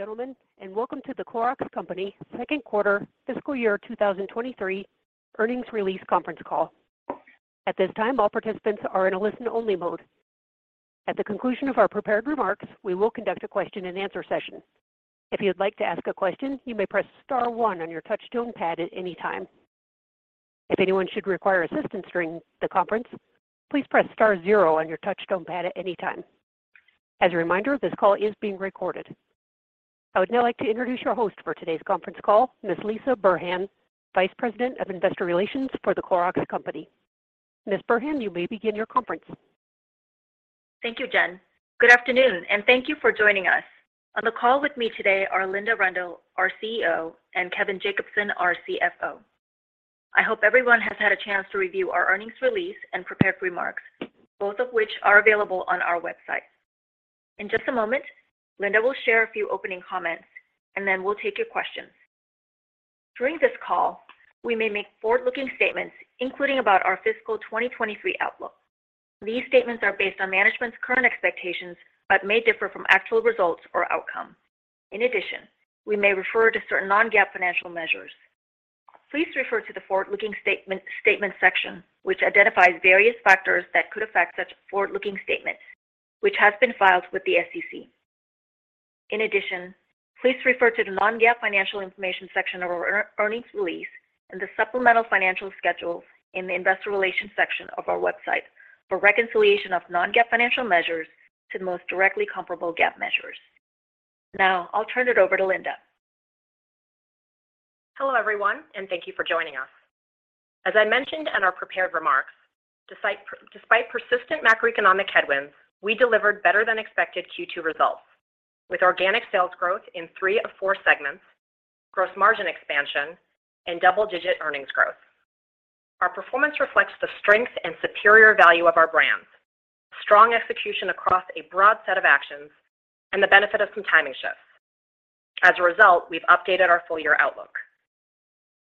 Gentlemen, welcome to The Clorox Company Q2 fiscal year 2023 earnings release conference call. At this time, all participants are in a listen-only mode. At the conclusion of our prepared remarks, we will conduct a question-and-answer session. If you'd like to ask a question, you may press star one on your touch tone pad at any time. If anyone should require assistance during the conference, please press star zero on your touch tone pad at any time. As a reminder, this call is being recorded. I would now like to introduce your host for today's conference call, Ms. Lisah Burhan, Vice President of Investor Relations for The Clorox Company. Ms. Burhan, you may begin your conference. Thank you, Jen. Good afternoon, thank you for joining us. On the call with me today are Linda Rendle, our CEO, and Kevin Jacobsen, our CFO. I hope everyone has had a chance to review our earnings release and prepared remarks, both of which are available on our website. In just a moment, Linda will share a few opening comments, and then we'll take your questions. During this call, we may make forward-looking statements, including about our fiscal 2023 outlook. These statements are based on management's current expectations, may differ from actual results or outcomes. In addition, we may refer to certain non-GAAP financial measures. Please refer to the forward-looking statement section, which identifies various factors that could affect such forward-looking statements, which has been filed with the SEC. Please refer to the non-GAAP financial information section of our earnings release and the supplemental financial schedules in the investor relations section of our website for reconciliation of non-GAAP financial measures to the most directly comparable GAAP measures. I'll turn it over to Linda. Hello, everyone, and thank you for joining us. As I mentioned in our prepared remarks, despite persistent macroeconomic headwinds, we delivered better-than-expected Q2 results with organic sales growth in three of four segments, gross margin expansion, and double-digit earnings growth. Our performance reflects the strength and superior value of our brands, strong execution across a broad set of actions, and the benefit of some timing shifts. As a result, we've updated our full-year outlook.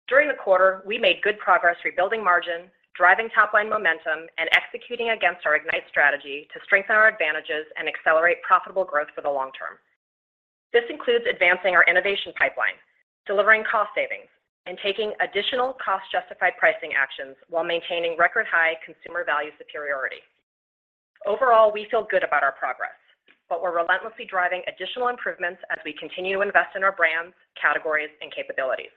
During the quarter, we made good progress rebuilding margin, driving top line momentum, and executing against our IGNITE strategy to strengthen our advantages and accelerate profitable growth for the long term. This includes advancing our innovation pipeline, delivering cost savings, and taking additional cost-justified pricing actions while maintaining record-high consumer value superiority. Overall, we feel good about our progress, but we're relentlessly driving additional improvements as we continue to invest in our brands, categories, and capabilities.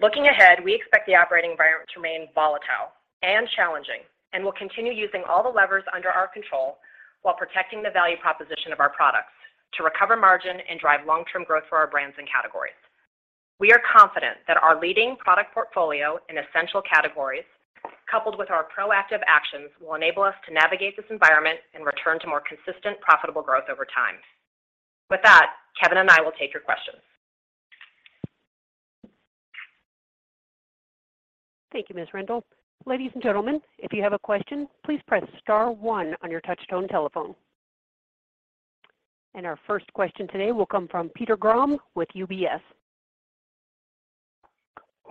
Looking ahead, we expect the operating environment to remain volatile and challenging, and we'll continue using all the levers under our control while protecting the value proposition of our products to recover margin and drive long-term growth for our brands and categories. We are confident that our leading product portfolio in essential categories, coupled with our proactive actions, will enable us to navigate this environment and return to more consistent, profitable growth over time. With that, Kevin and I will take your questions. Thank you, Ms. Rendle. Ladies and gentlemen, if you have a question, please press star one on your touch-tone telephone. Our first question today will come from Peter Grom with UBS.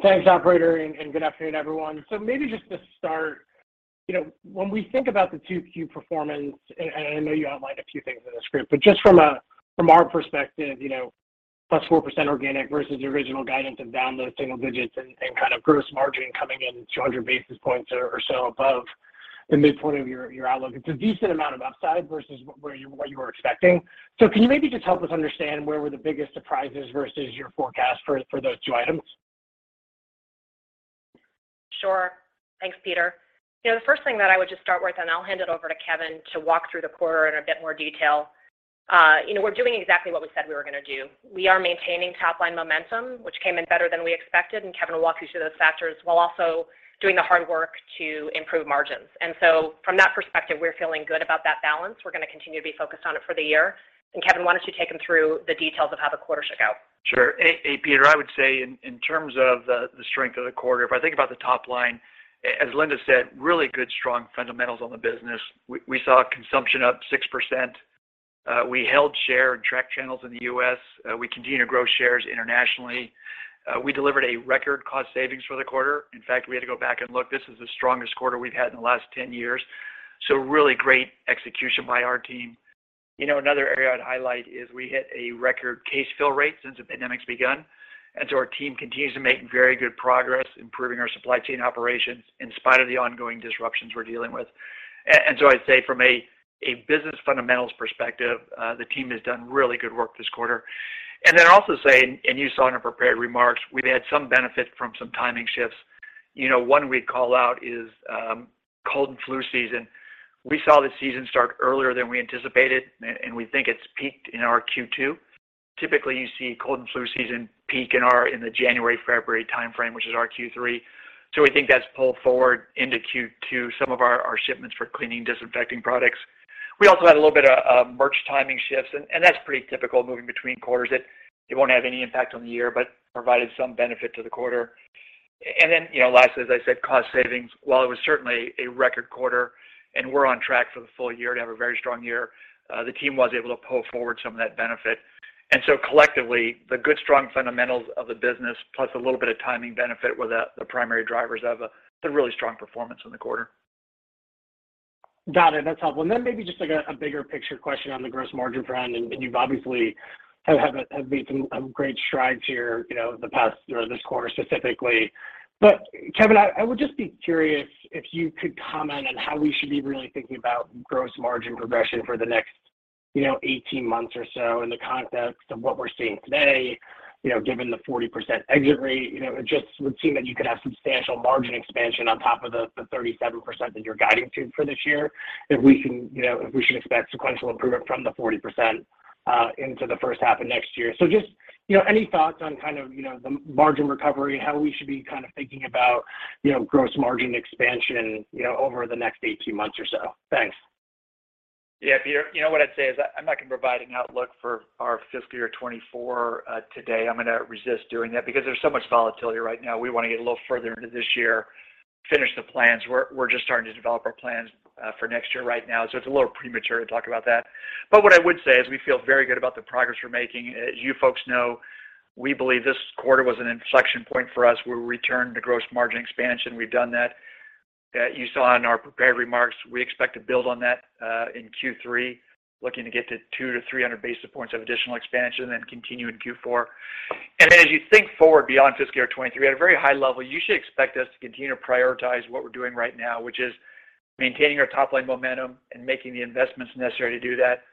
Thanks, operator, and good afternoon, everyone. Maybe just to start when we think about the 2Q performance, and I know you outlined a few things in the script, but just from our perspective +4% organic versus your original guidance of down low single digits and kind of gross margin coming in 200 basis points or so above the midpoint of your outlook, it's a decent amount of upside versus what you were expecting. Can you maybe just help us understand where were the biggest surprises versus your forecast for those two items? Sure. Thanks, Peter. The first thing that I would just start with, I'll hand it over to Kevin to walk through the quarter in a bit more detail we're doing exactly what we said we were gonna do. We are maintaining top-line momentum, which came in better than we expected, Kevin will walk you through those factors, while also doing the hard work to improve margins. From that perspective, we're feeling good about that balance. We're gonna continue to be focused on it for the year. Kevin, why don't you take them through the details of how the quarter shook out? Sure. Peter, I would say in terms of the strength of the quarter, if I think about the top line, as Linda said, really good, strong fundamentals on the business. We saw consumption up 6%. We held share in track channels in the U.S. We continue to grow shares internationally. We delivered a record cost savings for the quarter. In fact, we had to go back and look. This is the strongest quarter we've had in the last 10 years. Really great execution by our team. Another area I'd highlight is we hit a record case fill rate since the pandemic's begun. Our team continues to make very good progress improving our supply chain operations in spite of the ongoing disruptions we're dealing with. I'd say from a business fundamentals perspective, the team has done really good work this quarter. I'd also say, and you saw in our prepared remarks, we've had some benefit from some timing shifts. One we'd call out is cold and flu season. We saw the season start earlier than we anticipated, and we think it's peaked in our Q2. Typically, you see cold and flu season peak in the January, February timeframe, which is our Q3. We think that's pulled forward into Q2 some of our shipments for cleaning, disinfecting products. We also had a little bit of merch timing shifts, and that's pretty typical moving between quarters. It won't have any impact on the year, but provided some benefit to the quarter., lastly, as I said, cost savings. While it was certainly a record quarter and we're on track for the full year to have a very strong year, the team was able to pull forward some of that benefit. Collectively, the good, strong fundamentals of the business, plus a little bit of timing benefit were the primary drivers of a really strong performance in the quarter. Got it. That's helpful. Then maybe just like a bigger picture question on the gross margin front, and you've obviously made some great strides here the past, or this quarter specifically. Kevin, I would just be curious if you could comment on how we should be really thinking about gross margin progression for the next 18 months or so in the context of what we're seeing today given the 40% exit rate. It just would seem that you could have substantial margin expansion on top of the 37% that you're guiding to for this year if we can if we should expect sequential improvement from the 40% into the first half of next year. just any thoughts on kind of the margin recovery, how we should be kind of thinking about gross margin expansion over the next 18 months or so? Thanks. Yeah, Peter, what I'd say is I'm not gonna provide an outlook for our fiscal year 2024 today. I'm gonna resist doing that because there's so much volatility right now. We wanna get a little further into this year, finish the plans. We're just starting to develop our plans for next year right now, so it's a little premature to talk about that. What I would say is we feel very good about the progress we're making. As you folks know, we believe this quarter was an inflection point for us. We returned to gross margin expansion. We've done that. You saw in our prepared remarks, we expect to build on that in Q3, looking to get to 200-300 basis points of additional expansion, then continue in Q4. As you think forward beyond fiscal year 2023, at a very high level, you should expect us to continue to prioritize what we're doing right now, which is maintaining our top-line momentum and making the investments necessary to do that.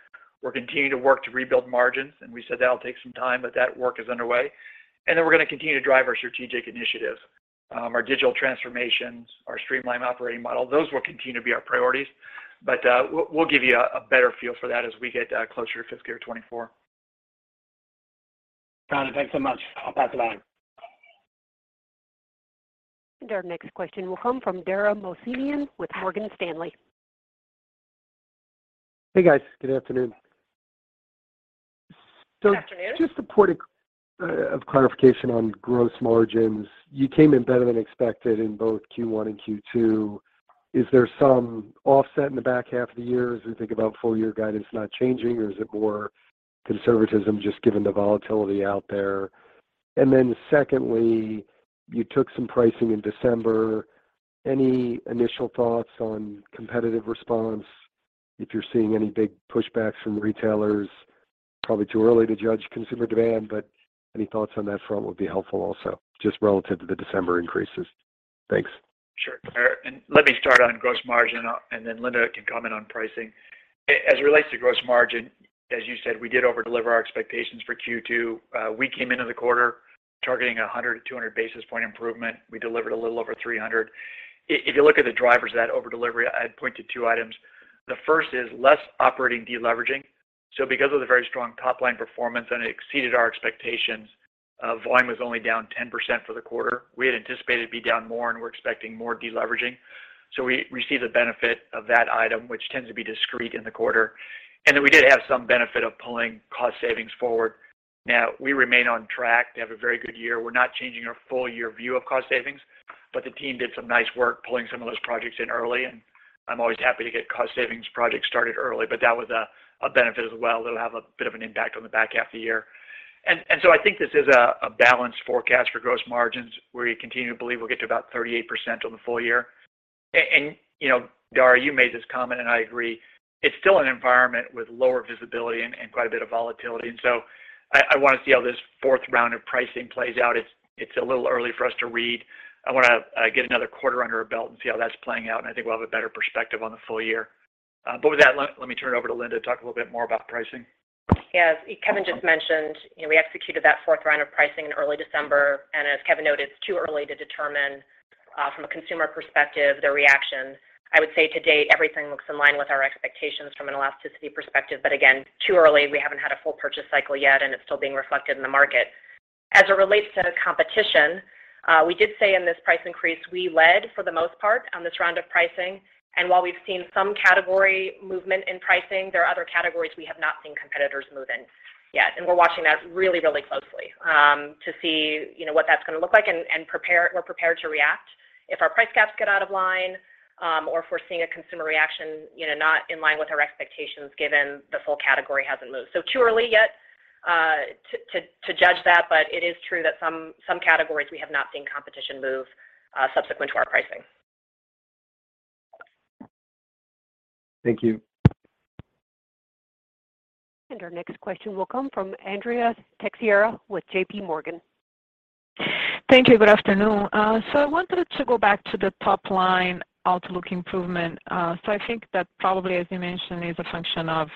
We're continuing to work to rebuild margins, and we said that'll take some time, but that work is underway. We're gonna continue to drive our strategic initiatives, our digital transformations, our streamlined operating model. Those will continue to be our priorities. We'll give you a better feel for that as we get closer to fiscal year 2024. Got it. Thanks so much. I'll pass it on. Our next question will come from Dara Mohsenian with Morgan Stanley. Hey, guys. Good afternoon. Good afternoon. Just a point of clarification on gross margins. You came in better than expected in both Q1 and Q2. Is there some offset in the back half of the year as we think about full year guidance not changing, or is it more conservatism just given the volatility out there? Secondly, you took some pricing in December. Any initial thoughts on competitive response if you're seeing any big pushbacks from retailers? Probably too early to judge consumer demand, but any thoughts on that front would be helpful also, just relative to the December increases. Thanks. Sure. Let me start on gross margin, and then Linda can comment on pricing. As it relates to gross margin, as you said, we did over-deliver our expectations for Q2. We came into the quarter targeting 100 to 200 basis point improvement. We delivered a little over 300. If you look at the drivers of that over-delivery, I'd point to two items. The first is less operating de-leveraging. Because of the very strong top-line performance, and it exceeded our expectations, volume was only down 10% for the quarter. We had anticipated it'd be down more, and we're expecting more de-leveraging. We see the benefit of that item, which tends to be discrete in the quarter. Then we did have some benefit of pulling cost savings forward. We remain on track to have a very good year. We're not changing our full year view of cost savings. The team did some nice work pulling some of those projects in early, and I'm always happy to get cost savings projects started early. That was a benefit as well that'll have a bit of an impact on the back half of the year. So I think this is a balanced forecast for gross margins, where you continue to believe we'll get to about 38% on the full year. Dara, you made this comment, and I agree. It's still an environment with lower visibility and quite a bit of volatility. So I wanna see how this fourth round of pricing plays out. It's a little early for us to read. I wanna get another quarter under our belt and see how that's playing out, and I think we'll have a better perspective on the full year. With that, let me turn it over to Linda to talk a little bit more about pricing. Yes. Kevin just mentioned we executed that fourth round of pricing in early December. As Kevin noted, it's too early to determine from a consumer perspective their reactions. I would say to date, everything looks in line with our expectations from an elasticity perspective. Again, too early. We haven't had a full purchase cycle yet, and it's still being reflected in the market. As it relates to the competition, we did say in this price increase we led for the most part on this round of pricing. While we've seen some category movement in pricing, there are other categories we have not seen competitors move in yet. We're watching that really, really closely, to see what that's gonna look like we're prepared to react if our price caps get out of line, or if we're seeing a consumer reaction not in line with our expectations given the full category hasn't moved. Too early yet, to judge that, but it is true that some categories we have not seen competition move, subsequent to our pricing. Thank you. Our next question will come from Andrea Teixeira with J.P. Morgan. Thank you. Good afternoon. I wanted to go back to the top line outlook improvement. I think that probably, as you mentioned, is a function of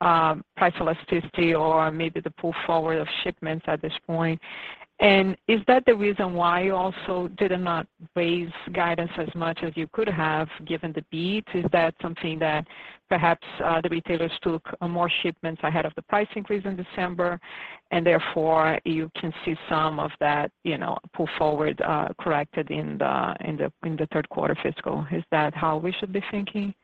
price elasticity or maybe the pull forward of shipments at this point. Is that the reason why you also did not raise guidance as much as you could have given the beat? Is that something that perhaps the retailers took on more shipments ahead of the price increase in December, and therefore you can see some of that pull forward, corrected in the Q3 fiscal? Is that how we should be thinking?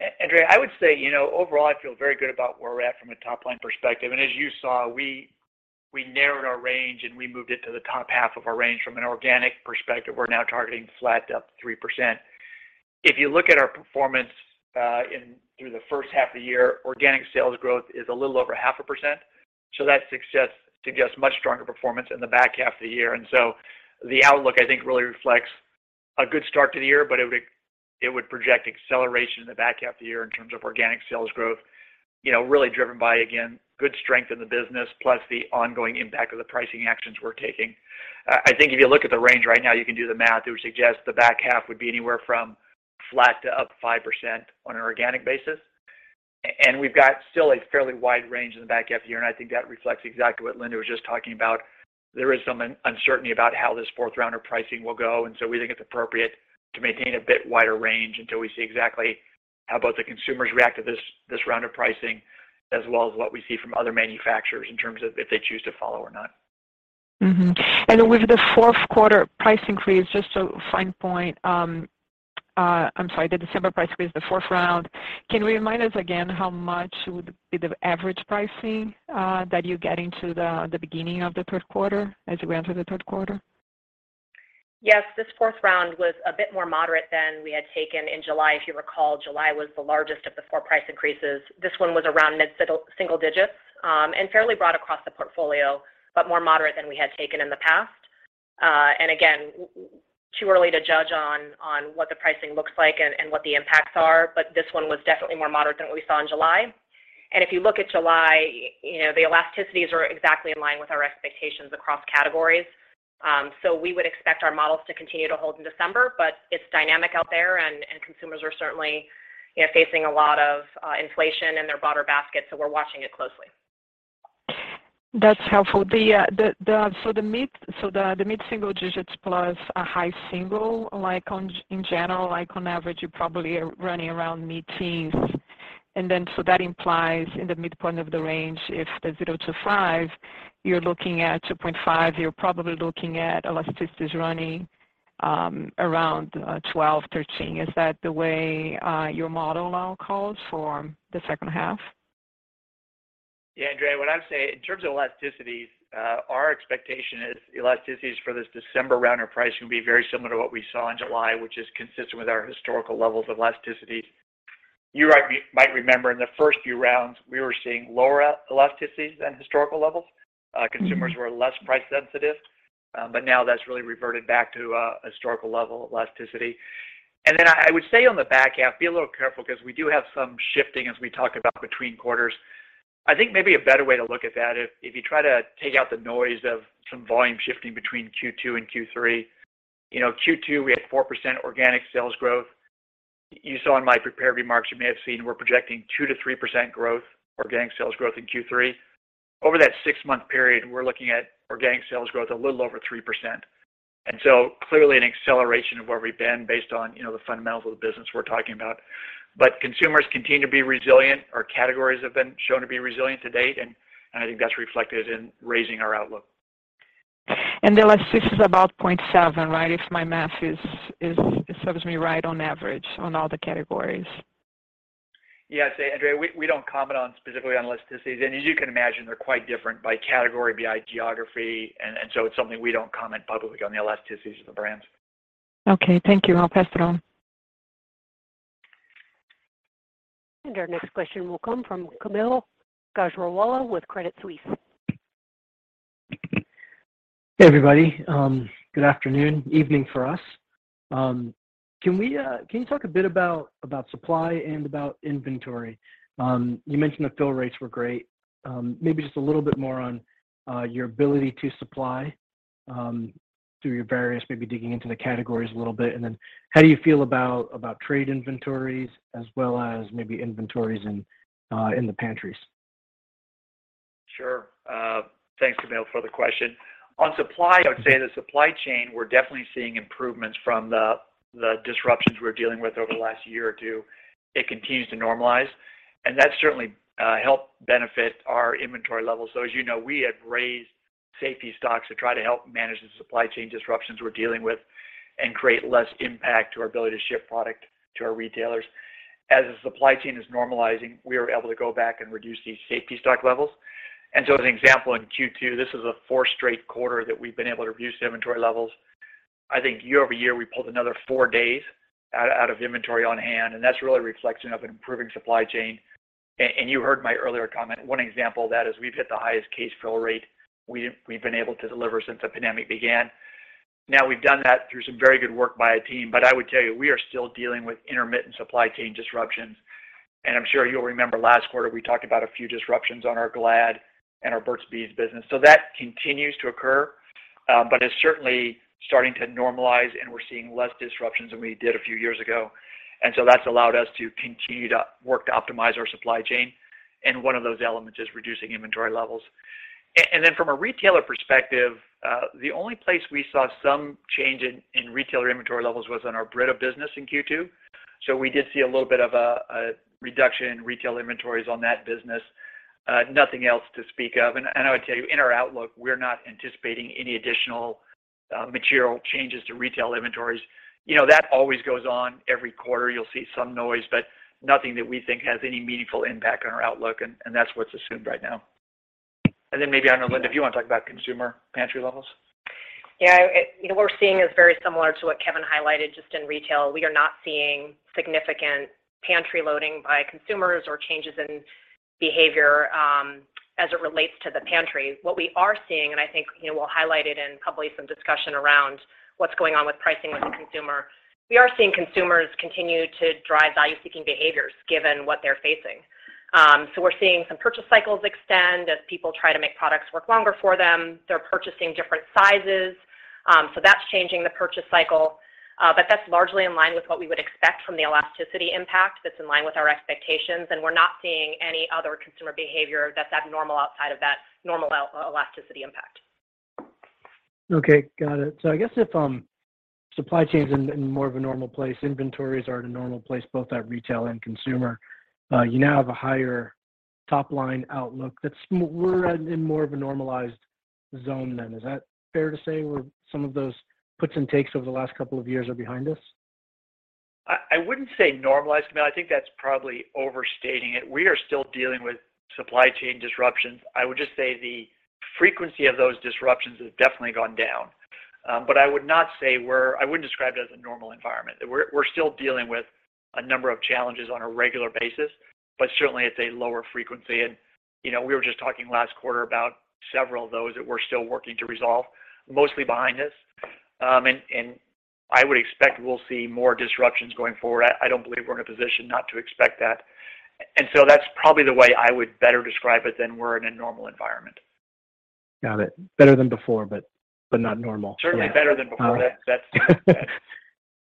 Andrea, I would say overall, I feel very good about where we're at from a top-line perspective. As you saw, we narrowed our range, and we moved it to the top half of our range. From an organic perspective, we're now targeting flat to up 3%. If you look at our performance in through the first half of the year, organic sales growth is a little over half a percent. That success suggests much stronger performance in the back half of the year. The outlook, I think, really reflects a good start to the year, but it would project acceleration in the back half of the year in terms of organic sales growth really driven by, again, good strength in the business plus the ongoing impact of the pricing actions we're taking. I think if you look at the range right now, you can do the math, it would suggest the back half would be anywhere from flat to up 5% on an organic basis. We've got still a fairly wide range in the back half of the year, and I think that reflects exactly what Linda was just talking about. There is some uncertainty about how this 4th round of pricing will go. We think it's appropriate to maintain a bit wider range until we see exactly how both the consumers react to this round of pricing, as well as what we see from other manufacturers in terms of if they choose to follow or not. With the Q4 price increase, just to fine point, I'm sorry, the December price increase, the fourth round, can you remind us again how much would be the average pricing that you get into the beginning of the Q3 as we enter the Q3? Yes. This fourth round was a bit more moderate than we had taken in July. If you recall, July was the largest of the four price increases. This one was around mid-single-digit, and fairly broad across the portfolio, but more moderate than we had taken in the past. Again, too early to judge on what the pricing looks like and what the impacts are, but this one was definitely more moderate than what we saw in July. If you look at july the elasticities are exactly in line with our expectations across categories. So we would expect our models to continue to hold in December, but it's dynamic out there and consumers are certainly facing a lot of inflation in their broader basket, so we're watching it closely. That's helpful. The mid-single digits plus a high single, in general, like on average, you probably are running around mid-teens. That implies in the midpoint of the range, if the 0-5, you're looking at 2.5, you're probably looking at elasticities running around 12, 13. Is that the way your model now calls for the second half? Yeah, Andrea, what I would say, in terms of elasticities, our expectation is elasticities for this December round of pricing will be very similar to what we saw in July, which is consistent with our historical levels of elasticity. You might remember in the first few rounds, we were seeing lower elasticities than historical levels. Mm-hmm. Consumers were less price sensitive, but now that's really reverted back to historical level elasticity. I would say on the back half, be a little careful 'cause we do have some shifting as we talk about between quarters. I think maybe a better way to look at that, if you try to take out the noise of some volume shifting between Q2 and q3 Q2, we had 4% organic sales growth. You saw in my prepared remarks, you may have seen we're projecting 2%-3% growth, organic sales growth in Q3. Over that six-month period, we're looking at organic sales growth a little over 3%. Clearly an acceleration of where we've been based on the fundamentals of the business we're talking about. Consumers continue to be resilient. Our categories have been shown to be resilient to date, and I think that's reflected in raising our outlook. The elasticity is about 0.7, right? If my math is serves me right on average on all the categories. Yes. Andrea, we don't comment on specifically on elasticities. As you can imagine, they're quite different by category, by geography. It's something we don't comment publicly on the elasticities of the brands. Okay. Thank you. I'll pass it on. Our next question will come from Kaumil Gajrawala with Credit Suisse. Hey, everybody. Good afternoon. Evening for us. Can you talk a bit about supply and about inventory? You mentioned the fill rates were great. Maybe just a little bit more on your ability to supply through your various maybe digging into the categories a little bit. How do you feel about trade inventories as well as maybe inventories in the pantries? Sure. Thanks, Camille, for the question. On supply, I would say the supply chain, we're definitely seeing improvements from the disruptions we're dealing with over the last year or two. It continues to normalize, and that certainly help benefit our inventory levels. As, we had raised safety stocks to try to help manage the supply chain disruptions we're dealing with and create less impact to our ability to ship product to our retailers. As the supply chain is normalizing, we are able to go back and reduce these safety stock levels. As an example, in Q2, this is a fourth straight quarter that we've been able to reduce inventory levels. I think year-over-year, we pulled another four days out of inventory on hand, and that's really a reflection of an improving supply chain. You heard my earlier comment. One example of that is we've hit the highest case fill rate we've been able to deliver since the pandemic began. We've done that through some very good work by our team, but I would tell you, we are still dealing with intermittent supply chain disruptions. I'm sure you'll remember last quarter, we talked about a few disruptions on our Glad and our Burt's Bees business. That continues to occur, but it's certainly starting to normalize and we're seeing less disruptions than we did a few years ago. That's allowed us to continue to work to optimize our supply chain, and one of those elements is reducing inventory levels. Then from a retailer perspective, the only place we saw some change in retailer inventory levels was on our Brita business in Q2. We did see a little bit of a reduction in retail inventories on that business. Nothing else to speak of. I would tell you, in our outlook, we're not anticipating any additional material changes to retail inventories. That always goes on every quarter. You'll see some noise, but nothing that we think has any meaningful impact on our outlook, and that's what's assumed right now. Maybe, I don't know, Linda, if you wanna talk about consumer pantry levels. Yeah, i what we're seeing is very similar to what Kevin highlighted just in retail. We are not seeing significant pantry loading by consumers or changes in behavior as it relates to the pantry. What we are seeing, I think we'll highlight it in probably some discussion around what's going on with pricing with the consumer, we are seeing consumers continue to drive value-seeking behaviors given what they're facing. We're seeing some purchase cycles extend as people try to make products work longer for them. They're purchasing different sizes, that's changing the purchase cycle. That's largely in line with what we would expect from the elasticity impact. That's in line with our expectations, we're not seeing any other consumer behavior that's abnormal outside of that normal elasticity impact. Okay. Got it. I guess if supply chain's in more of a normal place, inventories are at a normal place both at retail and consumer, you now have a higher top-line outlook that's we're at in more of a normalized zone then. Is that fair to say, where some of those puts and takes over the last couple of years are behind us? I wouldn't say normalized. I mean, I think that's probably overstating it. We are still dealing with supply chain disruptions. I would just say the frequency of those disruptions has definitely gone down. I wouldn't describe it as a normal environment. We're still dealing with a number of challenges on a regular basis, but certainly at a lower frequency. We were just talking last quarter about several of those that we're still working to resolve, mostly behind us. I would expect we'll see more disruptions going forward. I don't believe we're in a position not to expect that. That's probably the way I would better describe it than we're in a normal environment. Got it. Better than before, but not normal. Certainly better than before. That's.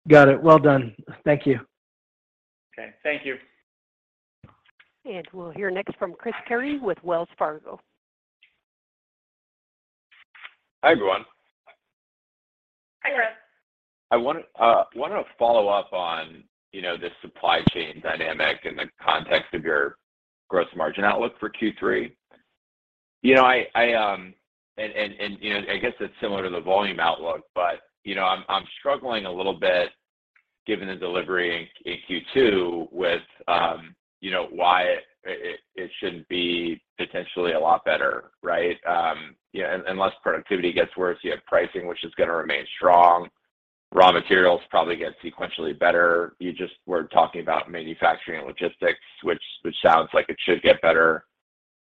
Got it. Well done. Thank you. Okay. Thank you. We'll hear next from Christopher Carey with Wells Fargo. Hi, everyone. Hi. Hi. I wanna follow up on the supply chain dynamic in the context of your gross margin outlook for Q3. I and I guess it's similar to the volume outlook, but I'm struggling a little bit given the delivery in Q2 with why it shouldn't be potentially a lot better, right?, unless productivity gets worse, you have pricing, which is gonna remain strong. Raw materials probably get sequentially better. You just were talking about manufacturing and logistics, which sounds like it should get better.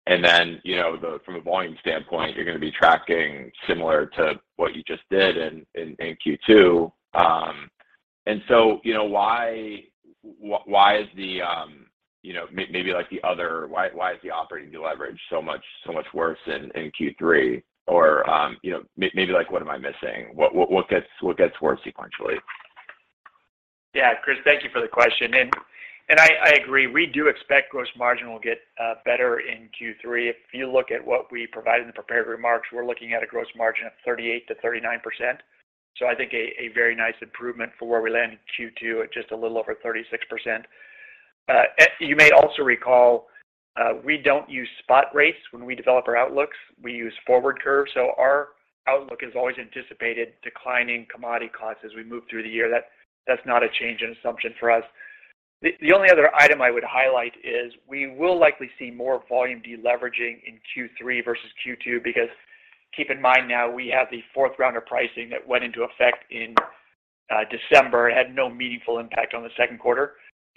From a volume standpoint, you're gonna be tracking similar to what you just did in Q2. Why is the maybe like the other... why is the operating leverage so much worse in Q3?, maybe like, what am I missing? What gets worse sequentially? Yeah. Chris, thank you for the question. I agree. We do expect gross margin will get better in Q3. If you look at what we provided in the prepared remarks, we're looking at a gross margin of 38%-39%. I think a very nice improvement for where we landed in Q2 at just a little over 36%. You may also recall, we don't use spot rates when we develop our outlooks. We use forward curves, so our outlook has always anticipated declining commodity costs as we move through the year. That's not a change in assumption for us. The only other item I would highlight is we will likely see more volume deleveraging in Q3 versus Q2 because keep in mind now, we have the fourth round of pricing that went into effect in December. It had no meaningful impact on the Q2.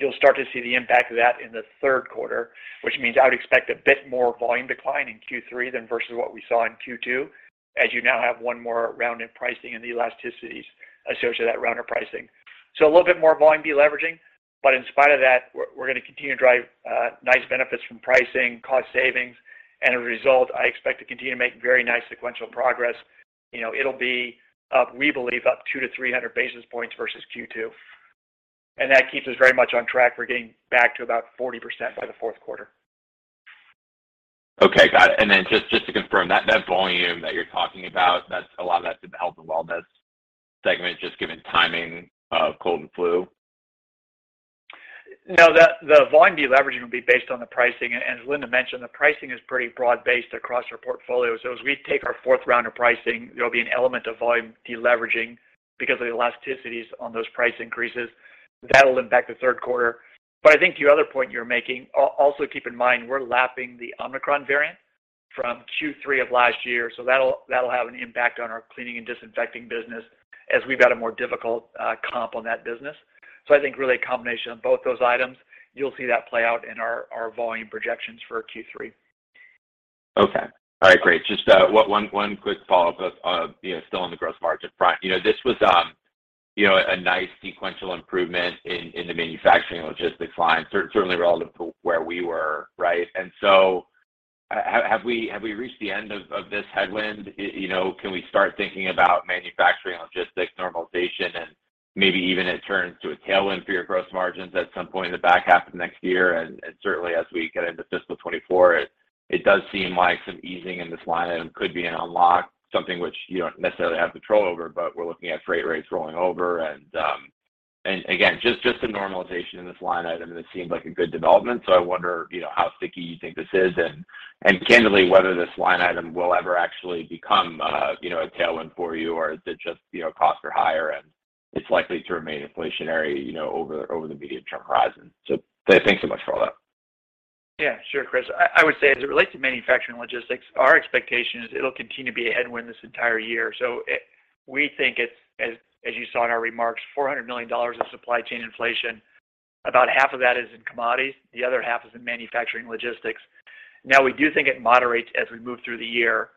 You'll start to see the impact of that in the Q3 which means I would expect a bit more volume decline in Q3 than versus what we saw in Q2, as you now have one more round in pricing and the elasticities associated with that round of pricing. A little bit more volume deleveraging, but in spite of that, we're gonna continue to drive nice benefits from pricing, cost savings, and a result, I expect to continue to make very nice sequential progress. It'll be up, we believe, up 200-300 basis points versus Q2, and that keeps us very much on track. We're getting back to about 40% by the Q4. Okay. Got it. just to confirm, that volume that you're talking about, a lot of that's in the health and wellness segment just given timing of cold and flu? No. The volume deleveraging will be based on the pricing. As Linda mentioned, the pricing is pretty broad-based across our portfolio. As we take our fourth round of pricing, there'll be an element of volume deleveraging because of the elasticities on those price increases. That'll impact the Q3. I think the other point you're making, also keep in mind, we're lapping the Omicron variant from Q3 of last year, that'll have an impact on our cleaning and disinfecting business as we've got a more difficult comp on that business. I think really a combination of both those items, you'll see that play out in our volume projections for Q3. Okay. All right. Great. Just one quick follow-up still on the gross margin front. This was a nice sequential improvement in the manufacturing and logistics line, certainly relative to where we were, right? So have we reached the end of this headwind?, can we start thinking about manufacturing and logistics normalization and maybe even it turns to a tailwind for your gross margins at some point in the back half of next year? Certainly as we get into fiscal 2024, it does seem like some easing in this line item could be an unlock, something which you don't necessarily have control over, but we're looking at freight rates rolling over. Again, just the normalization in this line item, and it seems like a good development, so I wonder how sticky you think this is and candidly, whether this line item will ever actually become a tailwind for you, or is it just costs are higher and it's likely to remain inflationary over the medium-term horizon? Thanks so much for all that. Yeah, sure, Chris. I would say as it relates to manufacturing and logistics, our expectation is it'll continue to be a headwind this entire year. We think it's as you saw in our remarks, $400 million of supply chain inflation, about half of that is in commodities, the other half is in manufacturing logistics. We do think it moderates as we move through the year,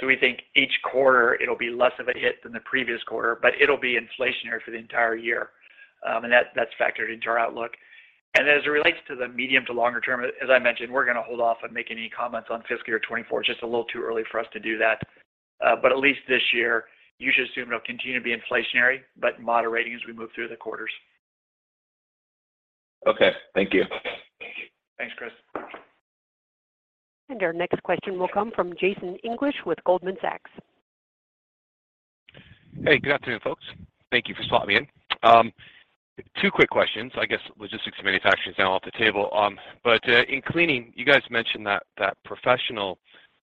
so we think each quarter it'll be less of a hit than the previous quarter, it'll be inflationary for the entire year. That's factored into our outlook. As it relates to the medium to longer term, as I mentioned, we're gonna hold off on making any comments on fiscal year 2024. It's just a little too early for us to do that. At least this year, you should assume it'll continue to be inflationary, but moderating as we move through the quarters. Okay. Thank you. Thanks, Chris. Our next question will come from Jason English with Goldman Sachs. Hey, good afternoon, folks. Thank you for swapping in. Two quick questions. I guess logistics and manufacturing is now off the table. In cleaning, you guys mentioned that professional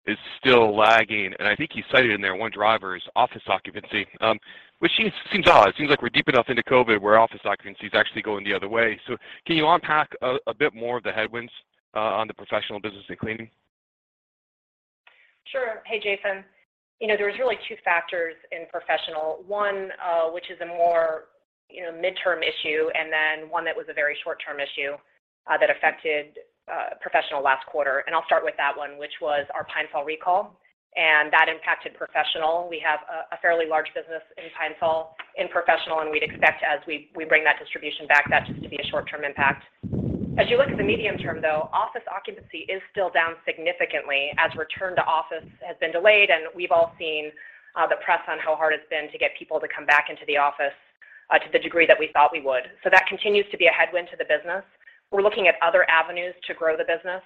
is still lagging, and I think you cited in there one driver is office occupancy, which seems odd. It seems like we're deep enough into COVID where office occupancy is actually going the other way. Can you unpack a bit more of the headwinds on the professional business in cleaning? Sure. Hey, Jason. There was really two factors in professional. One, which is a more midterm issue, one that was a very short-term issue that affected professional last quarter. I'll start with that one, which was our Pine-Sol recall, and that impacted professional. We have a fairly large business in Pine-Sol in professional, and we'd expect as we bring that distribution back, that just to be a short-term impact. As you look at the medium term, though, office occupancy is still down significantly as return to office has been delayed, and we've all seen the press on how hard it's been to get people to come back into the office to the degree that we thought we would. That continues to be a headwind to the business. We're looking at other avenues to grow the business,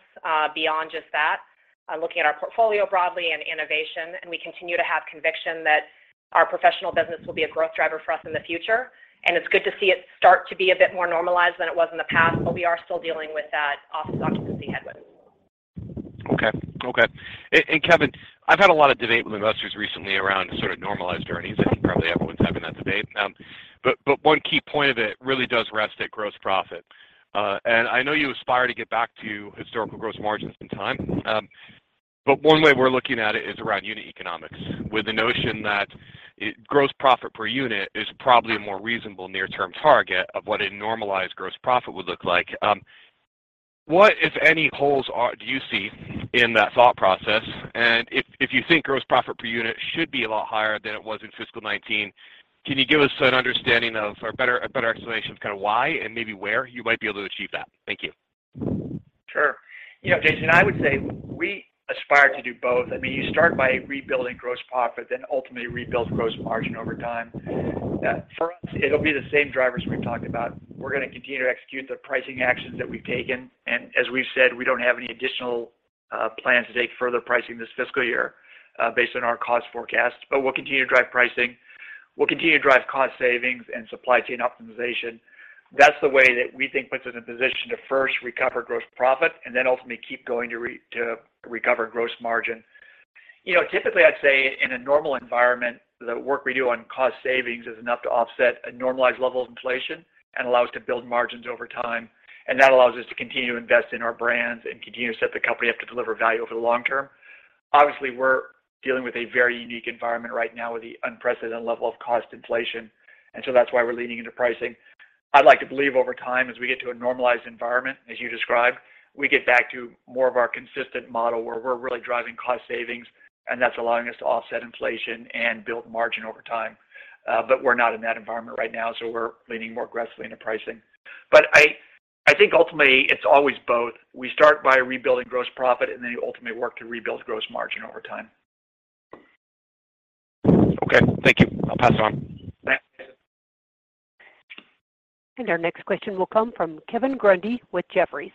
beyond just that, looking at our portfolio broadly and innovation. We continue to have conviction that our professional business will be a growth driver for us in the future. It's good to see it start to be a bit more normalized than it was in the past, but we are still dealing with that office occupancy headwind. Okay. Okay. Kevin, I've had a lot of debate with investors recently around sort of normalized earnings, probably everyone's having that debate now. One key point of it really does rest at gross profit. I know you aspire to get back to historical gross margins in time, one way we're looking at it is around unit economics, with the notion that gross profit per unit is probably a more reasonable near-term target of what a normalized gross profit would look like. What, if any, holes do you see in that thought process? If you think gross profit per unit should be a lot higher than it was in fiscal 19, can you give us an understanding of, or better, a better explanation of kinda why and maybe where you might be able to achieve that? Thank you. Sure. Jason, I would say we aspire to do both. I mean, you start by rebuilding gross profit, then ultimately rebuild gross margin over time. For us, it'll be the same drivers we've talked about. We're gonna continue to execute the pricing actions that we've taken. As we've said, we don't have any additional plans to take further pricing this fiscal year, based on our cost forecast, but we'll continue to drive pricing. We'll continue to drive cost savings and supply chain optimization. That's the way that we think puts us in position to first recover gross profit and then ultimately keep going to recover gross margin. TYpically, I'd say in a normal environment, the work we do on cost savings is enough to offset a normalized level of inflation and allow us to build margins over time. That allows us to continue to invest in our brands and continue to set the company up to deliver value over the long term. Obviously, we're dealing with a very unique environment right now with the unprecedented level of cost inflation, and so that's why we're leaning into pricing. I'd like to believe over time, as we get to a normalized environment, as you described, we get back to more of our consistent model where we're really driving cost savings, and that's allowing us to offset inflation and build margin over time. But we're not in that environment right now, so we're leaning more aggressively into pricing. I think ultimately it's always both. We start by rebuilding gross profit and then ultimately work to rebuild gross margin over time. Okay. Thank you. I'll pass it on. Thanks. Our next question will come from Kevin Grundy with Jefferies.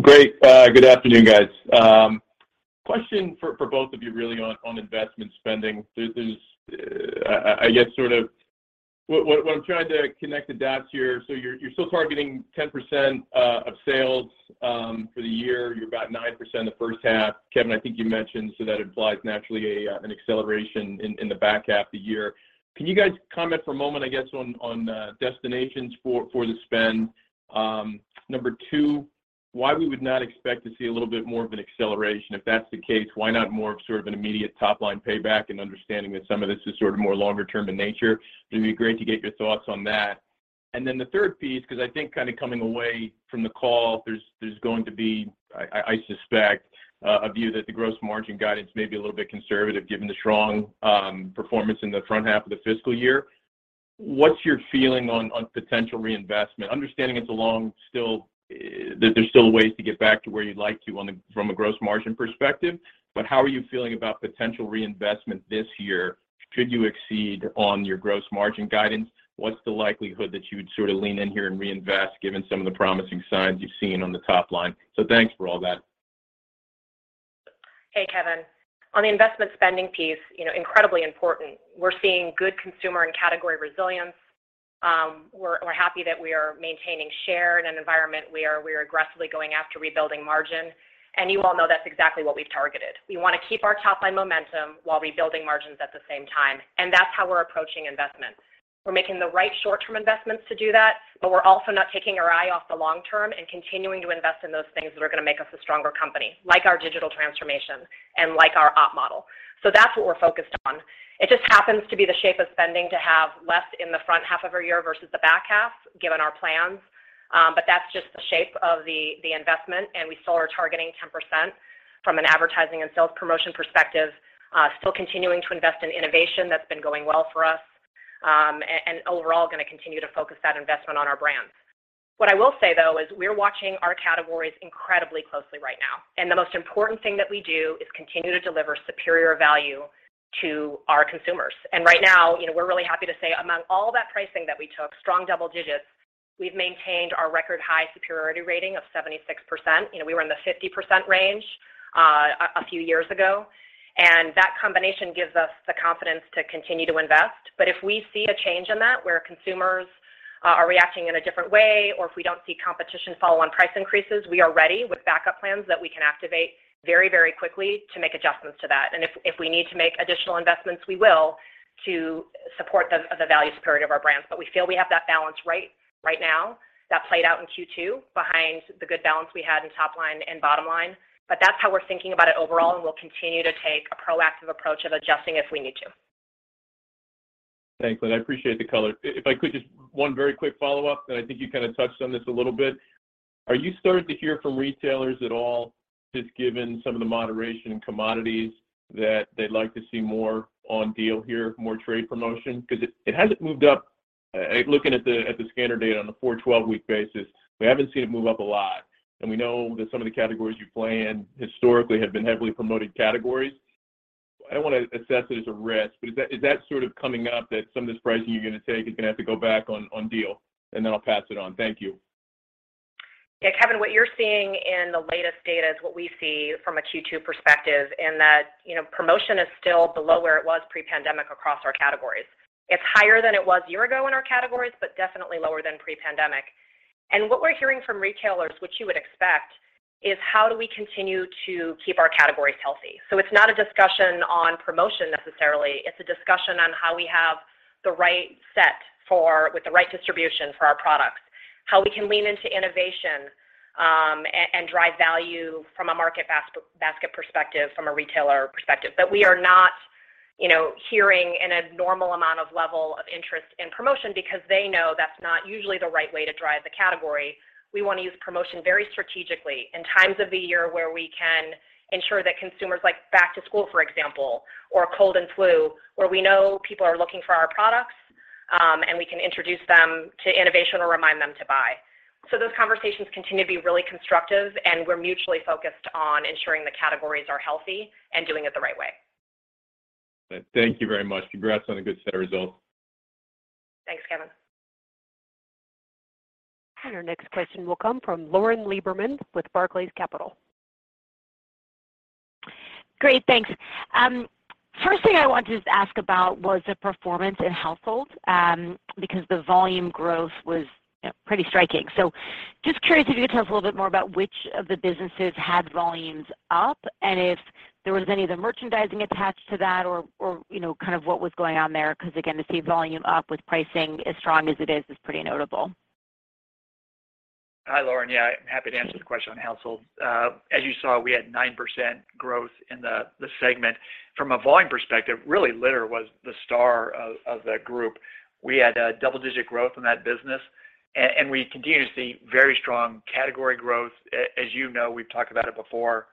Great. Good afternoon, guys. Question for both of you really on investment spending. There's I guess sort of what I'm trying to connect the dots here. You're still targeting 10% of sales for the year. You're about 9% the first half. Kevin, I think you mentioned. That implies naturally an acceleration in the back half of the year. Can you guys comment for a moment, I guess, on destinations for the spend? Number 2, why we would not expect to see a little bit more of an acceleration? If that's the case, why not more of sort of an immediate top-line payback and understanding that some of this is sort of more longer term in nature? It'd be great to get your thoughts on that. The third piece, because I think kind of coming away from the call, there's going to be, I suspect, a view that the gross margin guidance may be a little bit conservative given the strong performance in the front half of the fiscal year. What's your feeling on potential reinvestment? Understanding it's a long still, that there's still a ways to get back to where you'd like to from a gross margin perspective. How are you feeling about potential reinvestment this year? Should you exceed on your gross margin guidance? What's the likelihood that you would sort of lean in here and reinvest given some of the promising signs you've seen on the top line? Thanks for all that. Hey, Kevin. On the investment spending piece incredibly important. We're happy that we are maintaining share in an environment where we're aggressively going after rebuilding margin, and you all know that's exactly what we've targeted. We wanna keep our top line momentum while rebuilding margins at the same time, and that's how we're approaching investments. We're making the right short-term investments to do that, but we're also not taking our eye off the long term and continuing to invest in those things that are gonna make us a stronger company, like our digital transformation and like our op model. That's what we're focused on. It just happens to be the shape of spending to have less in the front half of our year versus the back half, given our plans. That's just the shape of the investment, and we still are targeting 10% from an advertising and sales promotion perspective, still continuing to invest in innovation. That's been going well for us. Overall gonna continue to focus that investment on our brands. What I will say, though, is we're watching our categories incredibly closely right now, the most important thing that we do is continue to deliver superior value to our consumers. Right now we're really happy to say among all that pricing that we took, strong double digits, we've maintained our record high superiority rating of 76%. We were in the 50% range a few years ago, that combination gives us the confidence to continue to invest. If we see a change in that, where consumers are reacting in a different way, or if we don't see competition follow on price increases, we are ready with backup plans that we can activate very quickly to make adjustments to that. If we need to make additional investments, we will to support the value superiority of our brands. We feel we have that balance right now. That played out in Q2 behind the good balance we had in top line and bottom line. That's how we're thinking about it overall, and we'll continue to take a proactive approach of adjusting if we need to. Thanks, Linda. I appreciate the color. If I could just, one very quick follow-up, I think you kinda touched on this a little bit. Are you starting to hear from retailers at all, just given some of the moderation in commodities, that they'd like to see more on deal here, more trade promotion? Because it hasn't moved up. Looking at the scanner data on the 4 twelve-week basis, we haven't seen it move up a lot. We know that some of the categories you play in historically have been heavily promoted categories. I don't wanna assess it as a risk, but is that sort of coming up that some of this pricing you're gonna take, you're gonna have to go back on deal? I'll pass it on. Thank you. Yeah, Kevin, what you're seeing in the latest data is what we see from a Q2 perspective in that promotion is still below where it was pre-pandemic across our categories. It's higher than it was a year ago in our categories, but definitely lower than pre-pandemic. What we're hearing from retailers, which you would expect, is how do we continue to keep our categories healthy? It's not a discussion on promotion necessarily. It's a discussion on how we have the right set with the right distribution for our products, how we can lean into innovation, and drive value from a market basket perspective, from a retailer perspective. We are not hearing an abnormal amount of level of interest in promotion because they know that's not usually the right way to drive the category. We wanna use promotion very strategically in times of the year where we can ensure that consumers, like back to school, for example, or cold and flu, where we know people are looking for our products, and we can introduce them to innovation or remind them to buy. Those conversations continue to be really constructive, and we're mutually focused on ensuring the categories are healthy and doing it the right way. Thank you very much. Congrats on a good set of results. Thanks, Kevin. Our next question will come from Lauren Lieberman with Barclays Capital. Great, thanks. First thing I wanted to ask about was the performance in households because the volume growth was pretty striking. Just curious if you could tell us a little bit more about which of the businesses had volumes up and if there was any of the merchandising attached to that or kind of what was going on there 'cause, again, to see volume up with pricing as strong as it is pretty notable. Hi, Lauren. Yeah, happy to answer the question on households. As you saw, we had 9% growth in the segment. From a volume perspective, really, litter was the star of that group. We had double-digit growth in that business and we continue to see very strong category growth. As, we've talked about it before,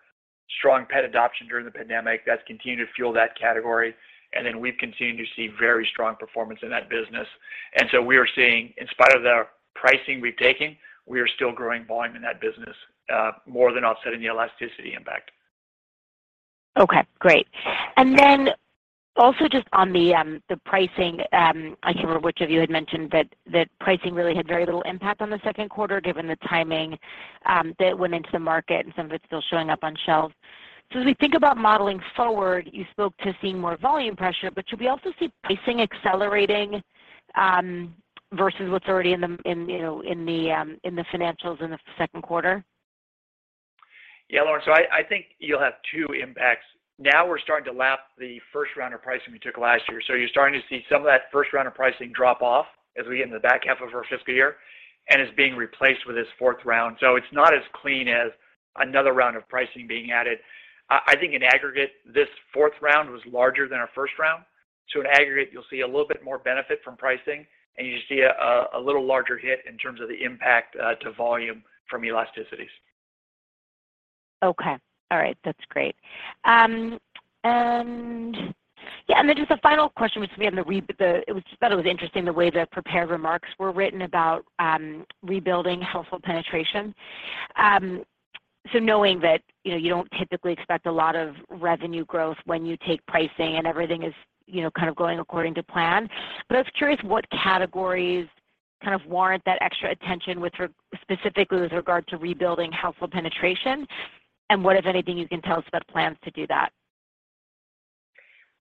strong pet adoption during the pandemic, that's continued to fuel that category, and then we've continued to see very strong performance in that business. We are seeing, in spite of the pricing we've taken, we are still growing volume in that business, more than offsetting the elasticity impact. Okay, great. Also just on the pricing, I can't remember which of you had mentioned, but that pricing really had very little impact on the Q2 given the timing that went into the market and some of it's still showing up on shelves. As we think about modeling forward, you spoke to seeing more volume pressure, but should we also see pricing accelerating versus what's already in the, in in the financials in the Q2? Lauren, I think you'll have two impacts. Now we're starting to lap the first round of pricing we took last year. You're starting to see some of that first round of pricing drop off as we get into the back half of our fiscal year. It's being replaced with this fourth round. It's not as clean as another round of pricing being added. I think in aggregate, this fourth round was larger than our first round. In aggregate, you'll see a little bit more benefit from pricing. You see a little larger hit in terms of the impact to volume from elasticities. Okay. All right. That's great. Yeah, and then just a final question, which we had. Just thought it was interesting the way the prepared remarks were written about rebuilding household penetration. Knowing that you don't typically expect a lot of revenue growth when you take pricing and everything is kind of going according to plan. I was curious what categories kind of warrant that extra attention specifically with regard to rebuilding household penetration, and what, if anything, you can tell us about plans to do that?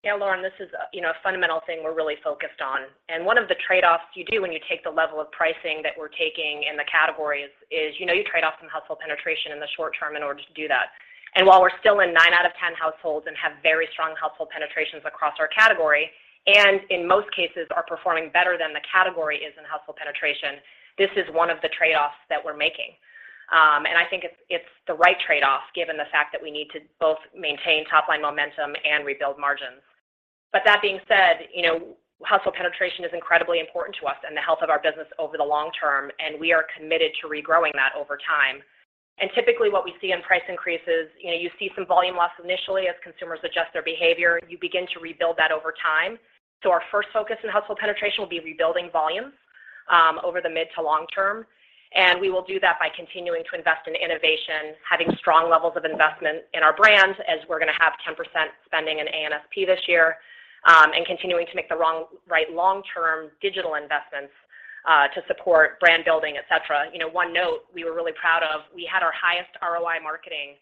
Yeah, Lauren, this is a a fundamental thing we're really focused on. One of the trade-offs you do when you take the level of pricing that we're taking in the categories is you trade off some household penetration in the short term in order to do that. While we're still in 9 out of 10 households and have very strong household penetrations across our category, and in most cases are performing better than the category is in household penetration, this is one of the trade-offs that we're making. I think it's the right trade-off given the fact that we need to both maintain top-line momentum and rebuild margins. That being said household penetration is incredibly important to us and the health of our business over the long term, and we are committed to regrowing that over time. Typically what we see in price increases you see some volume loss initially as consumers adjust their behavior. You begin to rebuild that over time. Our first focus in household penetration will be rebuilding volume over the mid to long term. We will do that by continuing to invest in innovation, having strong levels of investment in our brands as we're gonna have 10% spending in ANSP this year, and continuing to make the right long-term digital investments to support brand building, et cetera. One note we were really proud of, we had our highest ROI marketing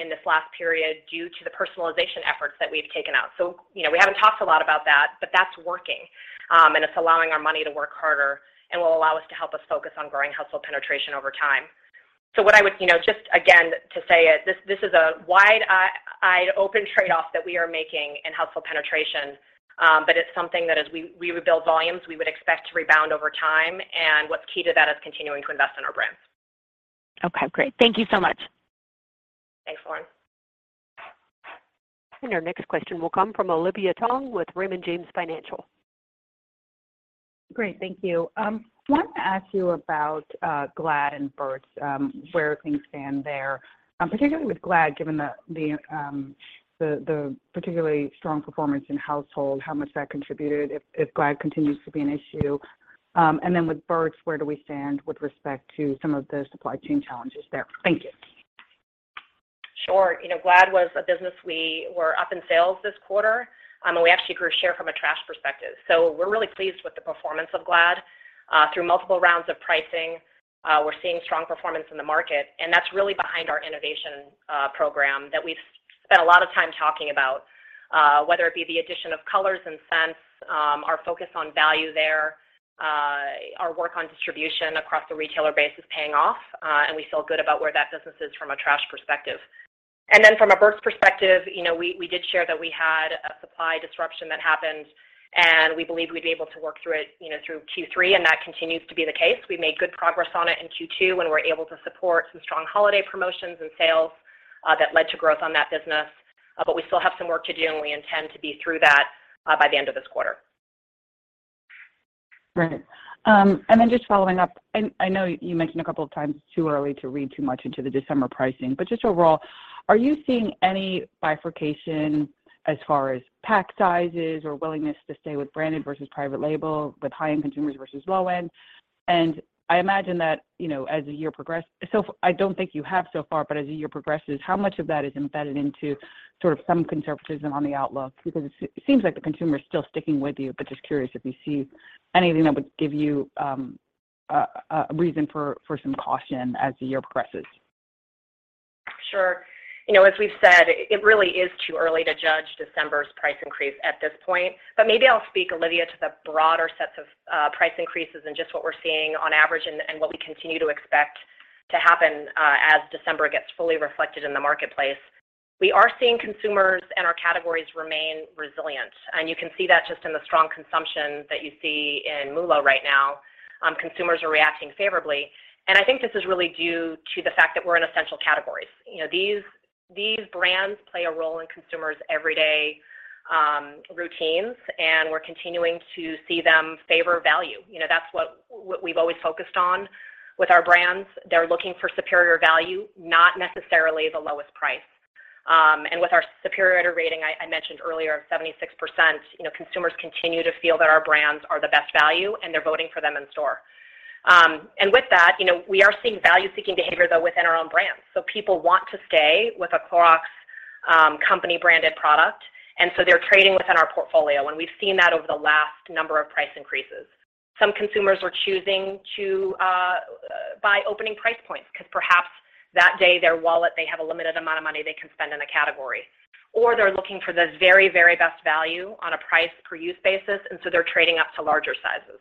in this last period due to the personalization efforts that we've taken out., we haven't talked a lot about that, but that's working, and it's allowing our money to work harder and will allow us to help us focus on growing household penetration over time. What I would just again to say it, this is a wide eye-open trade-off that we are making in household penetration, but it's something that as we rebuild volumes, we would expect to rebound over time. What's key to that is continuing to invest in our brand. Okay, great. Thank you so much. Thanks, Lauren. Our next question will come from Olivia Tong with Raymond James Financial. Great. Thank you. Wanted to ask you about Glad and Burt's, where things stand there, particularly with Glad, given the particularly strong performance in household, how much that contributed if Glad continues to be an issue? With Burt's, where do we stand with respect to some of the supply chain challenges there? Thank you. Sure. Glad was a business we were up in sales this quarter, and we actually grew share from a trash perspective. We're really pleased with the performance of Glad. Through multiple rounds of pricing, we're seeing strong performance in the market, and that's really behind our innovation program that we've spent a lot of time talking about, whether it be the addition of colors and scents, our focus on value there, our work on distribution across the retailer base is paying off, and we feel good about where that business is from a trash perspective. From a Burt's perspective we did share that we had a supply disruption that happened, and we believe we'd be able to work through it through Q3, and that continues to be the case. We made good progress on it in Q2, and we're able to support some strong holiday promotions and sales that led to growth on that business. We still have some work to do, and we intend to be through that by the end of this quarter. Right. Then just following up, and I know you mentioned a couple of times it's too early to read too much into the December pricing, but just overall, are you seeing any bifurcation as far as pack sizes or willingness to stay with branded versus private label, with high-end consumers versus low-end? I imagine that I don't think you have so far, but as the year progresses, how much of that is embedded into sort of some conservatism on the outlook? It seems like the consumer is still sticking with you, but just curious if you see anything that would give you a reason for some caution as the year progresses. Sure. As we've said, it really is too early to judge December's price increase at this point. Maybe I'll speak, Olivia, to the broader sets of price increases and just what we're seeing on average and what we continue to expect to happen as December gets fully reflected in the marketplace. We are seeing consumers and our categories remain resilient, and you can see that just in the strong consumption that you see in MULO C right now. Consumers are reacting favorably, and I think this is really due to the fact that we're in essential categories. These brands play a role in consumers' everyday routines, and we're continuing to see them favor value. That's what we've always focused on with our brands. They're looking for superior value, not necessarily the lowest price. With our superior rating, I mentioned earlier, 76% consumers continue to feel that our brands are the best value, and they're voting for them in store. With that we are seeing value-seeking behavior, though, within our own brands. People want to stay with a Clorox company-branded product, they're trading within our portfolio, we've seen that over the last number of price increases. Some consumers are choosing to buy opening price points because perhaps that day their wallet, they have a limited amount of money they can spend in a category, or they're looking for the very, very best value on a price per use basis, they're trading up to larger sizes.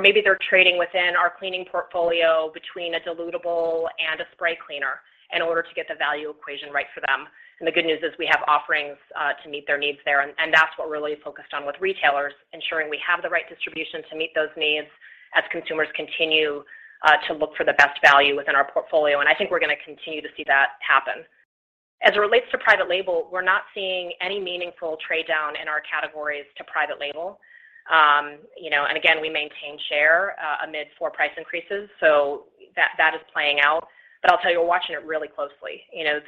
Maybe they're trading within our cleaning portfolio between a dilutable and a spray cleaner in order to get the value equation right for them. The good news is we have offerings to meet their needs there, and that's what we're really focused on with retailers, ensuring we have the right distribution to meet those needs as consumers continue to look for the best value within our portfolio. I think we're gonna continue to see that happen. As it relates to private label, we're not seeing any meaningful trade down in our categories to private label. And again, we maintain share amid four price increases, so that is playing out. I'll tell you, we're watching it really closely. His,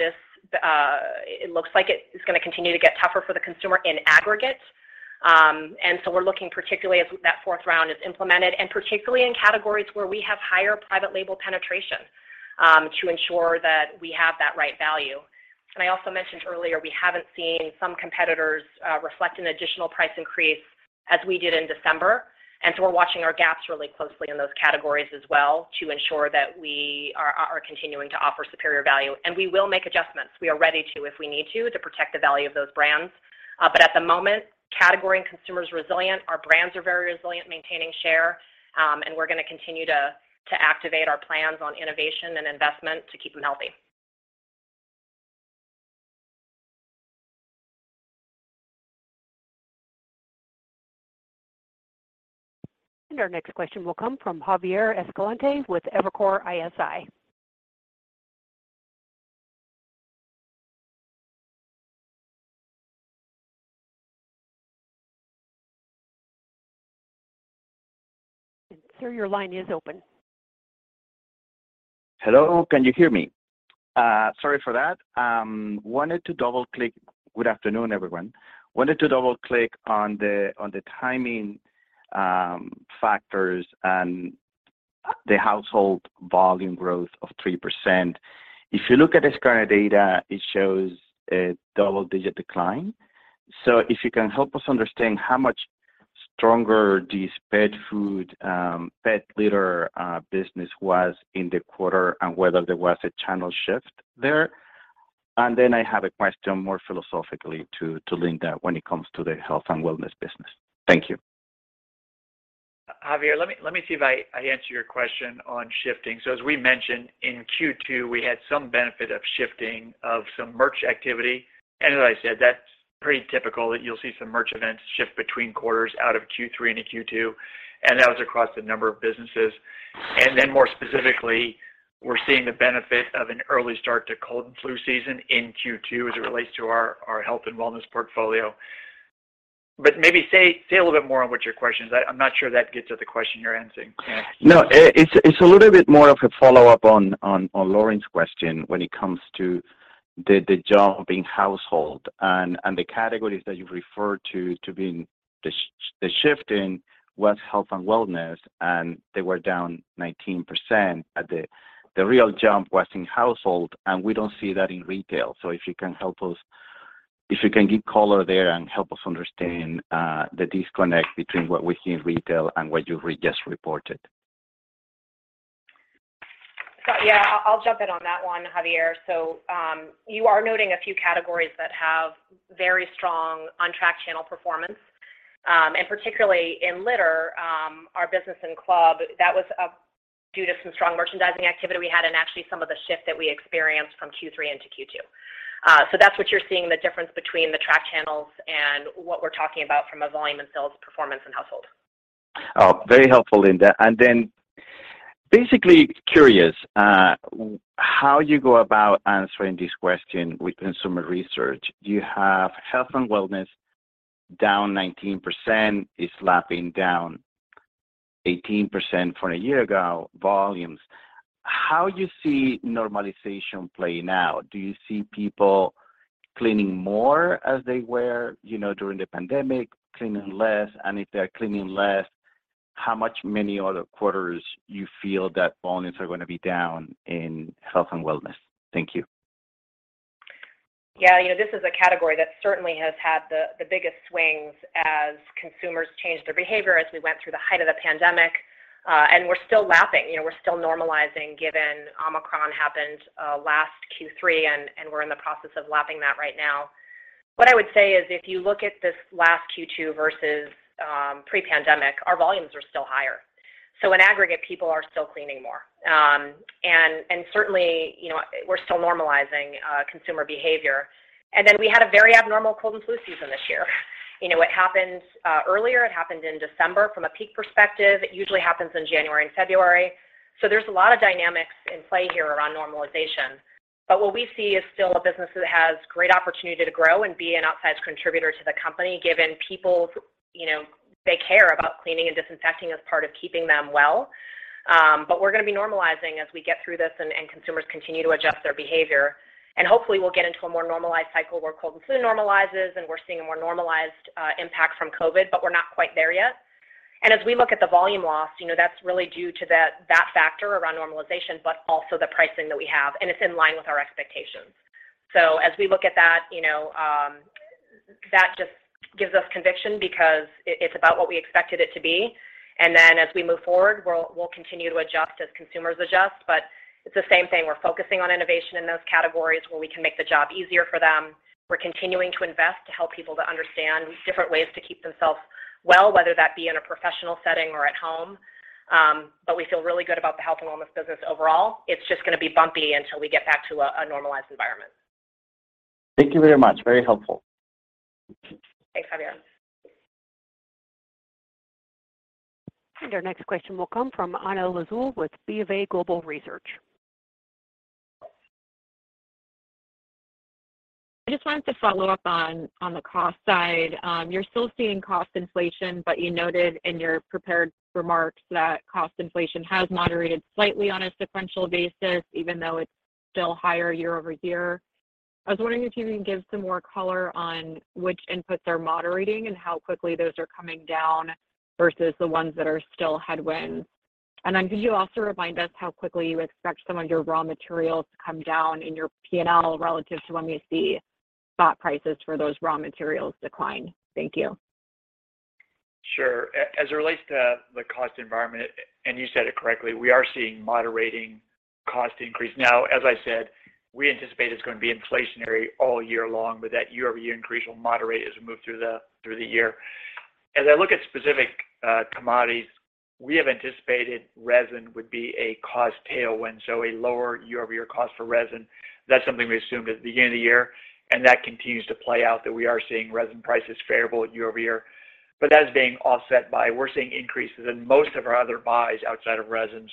it looks like it is gonna continue to get tougher for the consumer in aggregate. We're looking particularly as that fourth round is implemented, and particularly in categories where we have higher private label penetration, to ensure that we have that right value. I also mentioned earlier, we haven't seen some competitors reflect an additional price increase as we did in December. We're watching our gaps really closely in those categories as well to ensure that we are continuing to offer superior value, and we will make adjustments. We are ready to, if we need to protect the value of those brands. But at the moment, category and consumer is resilient, our brands are very resilient, maintaining share. We're gonna continue to activate our plans on innovation and investment to keep them healthy. Our next question will come from Javier Escalante with Evercore ISI. Sir, your line is open. Hello, can you hear me? Sorry for that. Good afternoon, everyone. Wanted to double-click on the timing factors and the household volume growth of 3%. If you look at this current data, it shows a double-digit decline. If you can help us understand how much stronger this pet food, pet litter business was in the quarter and whether there was a channel shift there. Then I have a question more philosophically to Linda when it comes to the health and wellness business. Thank you. Javier, let me see if I answer your question on shifting. As we mentioned in Q2, we had some benefit of shifting of some merch activity. As I said, that's pretty typical that you'll see some merch events shift between quarters out of Q3 into Q2, and that was across a number of businesses. More specifically, we're seeing the benefit of an early start to cold and flu season in Q2 as it relates to our health and wellness portfolio. Maybe say a little bit more on what your question is. I'm not sure that gets at the question you're answering. No, it's a little bit more of a follow-up on Lauren's question when it comes to the jump in household and the categories that you've referred to being the shift in was health and wellness, and they were down 19%. The real jump was in household, we don't see that in retail. If you can give color there and help us understand the disconnect between what we see in retail and what you just reported. Yeah, I'll jump in on that one, Javier. You are noting a few categories that have very strong on-track channel performance. Particularly in litter, our business in club, that was due to some strong merchandising activity we had and actually some of the shift that we experienced from Q3 into Q2. That's what you're seeing, the difference between the track channels and what we're talking about from a volume and sales performance in household. Oh, very helpful, Linda. Basically curious how you go about answering this question with consumer research. You have health and wellness down 19%, it's lapping down 18% from a year ago, volumes. How you see normalization playing out? Do you see people cleaning more as they were during the pandemic, cleaning less? If they're cleaning less, how much many other quarters you feel that volumes are gonna be down in health and wellness? Thank you. This is a category that certainly has had the biggest swings as consumers changed their behavior as we went through the height of the pandemic. We're still lapping we're still normalizing given Omicron happened last Q3 and we're in the process of lapping that right now. What I would say is if you look at this last Q2 versus pre-pandemic, our volumes are still higher. In aggregate, people are still cleaning more. And certainly we're still normalizing consumer behavior. Then we had a very abnormal cold and flu season this year. It happened earlier, it happened in December from a peak perspective. It usually happens in January and February. There's a lot of dynamics in play here around normalization. What we see is still a business that has great opportunity to grow and be an outsized contributor to the company, given people they care about cleaning and disinfecting as part of keeping them well. We're gonna be normalizing as we get through this and consumers continue to adjust their behavior. Hopefully we'll get into a more normalized cycle where cold and flu normalizes, and we're seeing a more normalized impact from COVID, but we're not quite there yet. As we look at the volume loss that's really due to that factor around normalization, but also the pricing that we have, and it's in line with our expectations. As we look at that that just gives us conviction because it's about what we expected it to be. As we move forward, we'll continue to adjust as consumers adjust. It's the same thing. We're focusing on innovation in those categories where we can make the job easier for them. We're continuing to invest to help people to understand different ways to keep themselves well, whether that be in a professional setting or at home. We feel really good about the health and wellness business overall. It's just gonna be bumpy until we get back to a normalized environment. Thank you very much. Very helpful. Thanks, Javier. Our next question will come from Anna Lizzul with BofA Global Research. I just wanted to follow up on the cost side. You're still seeing cost inflation, but you noted in your prepared remarks that cost inflation has moderated slightly on a sequential basis, even though it's still higher year-over-year. I was wondering if you can give some more color on which inputs are moderating and how quickly those are coming down versus the ones that are still headwinds. Could you also remind us how quickly you expect some of your raw materials to come down in your P&L relative to when we see spot prices for those raw materials decline? Thank you. Sure. As it relates to the cost environment, and you said it correctly, we are seeing moderating cost increase. As I said, we anticipate it's gonna be inflationary all year long, but that year-over-year increase will moderate as we move through the year. As I look at specific commodities, we have anticipated resin would be a cost tailwind, so a lower year-over-year cost for resin. That's something we assumed at the beginning of the year, and that continues to play out, that we are seeing resin prices favorable at year-over-year. That is being offset by we're seeing increases in most of our other buys outside of resin.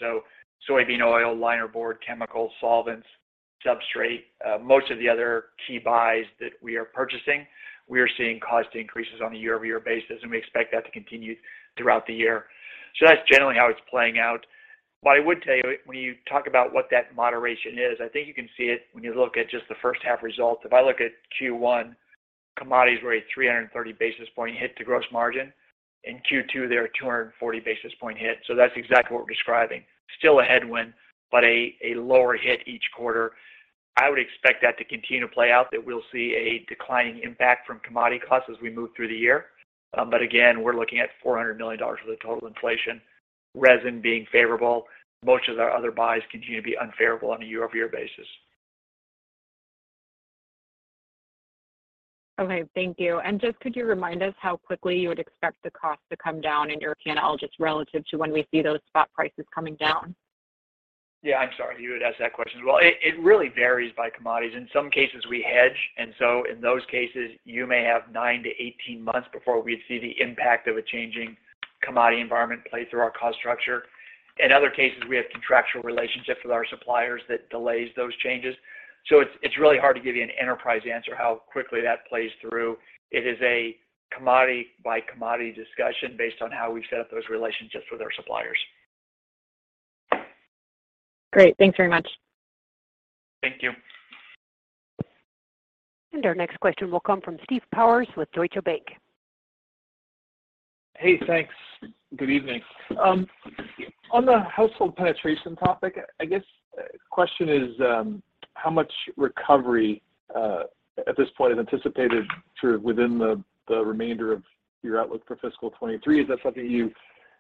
Soybean oil, linerboard, chemical, solvents, substrate, most of the other key buys that we are purchasing, we are seeing cost increases on a year-over-year basis, and we expect that to continue throughout the year. That's generally how it's playing out. What I would tell you when you talk about what that moderation is, I think you can see it when you look at just the first half results. If I look at Q1, commodities were a 330 basis point hit to gross margin. In Q2, they're a 240 basis point hit, that's exactly what we're describing. Still a headwind, but a lower hit each quarter. I would expect that to continue to play out, that we'll see a declining impact from commodity costs as we move through the year. Again, we're looking at $400 million worth of total inflation, resin being favorable. Most of our other buys continue to be unfavorable on a year-over-year basis. Okay, thank you. Just could you remind us how quickly you would expect the cost to come down in your P&L just relative to when we see those spot prices coming down? Yeah, I'm sorry you would ask that question as well. It really varies by commodities. In some cases, we hedge, and so in those cases, you may have nine-18 months before we'd see the impact of a changing commodity environment play through our cost structure. In other cases, we have contractual relationships with our suppliers that delays those changes. It's really hard to give you an enterprise answer how quickly that plays through. It is a commodity-by-commodity discussion based on how we've set up those relationships with our suppliers. Great. Thanks very much. Thank you. Our next question will come from Steve Powers with Deutsche Bank. Hey, thanks. Good evening. On the household penetration topic, I guess the question is, how much recovery at this point is anticipated sort of within the remainder of your outlook for fiscal 2023? Is that something you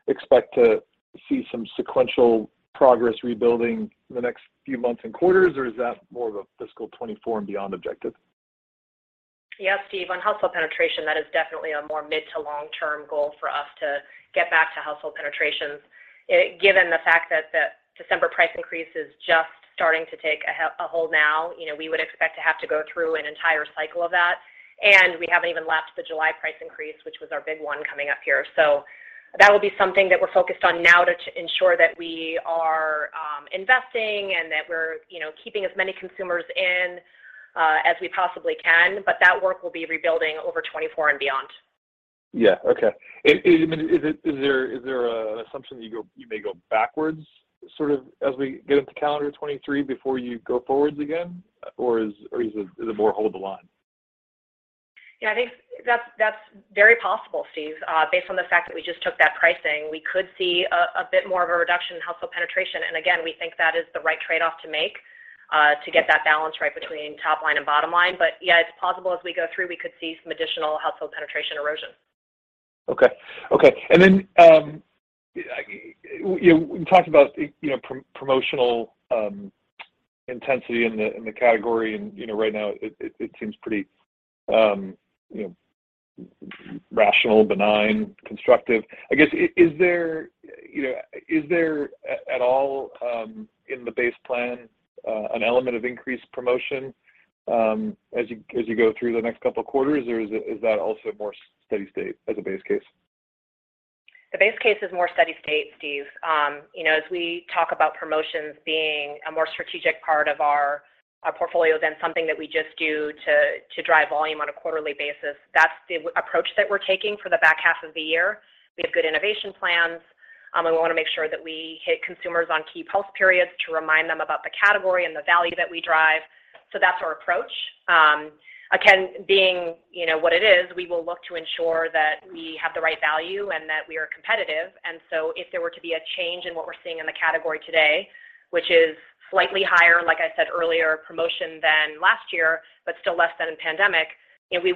expect to see some sequential progress rebuilding in the next few months and quarters, or is that more of a fiscal 2024 and beyond objective? Yeah, Steve. On household penetration, that is definitely a more mid to long-term goal for us to get back to household penetrations. Given the fact that the December price increase is just starting to take a hold now we would expect to have to go through an entire cycle of that, and we haven't even lapsed the July price increase, which was our big one coming up here. That will be something that we're focused on now to ensure that we are investing and that we're keeping as many consumers in as we possibly can. That work will be rebuilding over 2024 and beyond. Yeah. Okay. I mean, is there an assumption that you may go backwards sort of as we get into calendar 2023 before you go forwards again, or is it more hold the line? Yeah, I think that's very possible, Steve. Based on the fact that we just took that pricing, we could see a bit more of a reduction in household penetration. Again, we think that is the right trade-off to make, to get that balance right between top line and bottom line. Yeah, it's possible as we go through, we could see some additional household penetration erosion. Okay. Okay. We talked about promotional intensity in the category and right now it seems pretty rational, benign, constructive. I guess, is there is there at all in the base plan an element of increased promotion as you go through the next couple of quarters, or is that also more steady state as a base case? The base case is more steady state, Steve. As we talk about promotions being a more strategic part of our portfolio than something that we just do to drive volume on a quarterly basis, that's the approach that we're taking for the back half of the year. We have good innovation plans. We wanna make sure that we hit consumers on key pulse periods to remind them about the category and the value that we drive. That's our approach. being what it is, we will look to ensure that we have the right value and that we are competitive. If there were to be a change in what we're seeing in the category today, which is slightly higher, like I said earlier, promotion than last year, but still less than in pandemic